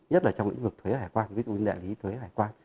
nhất là trong lĩnh vực thuế hải quan ví dụ như đại lý thuế hải quan